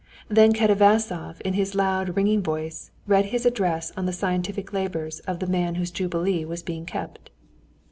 Then Katavasov in his loud, ringing voice read his address on the scientific labors of the man whose jubilee was being kept.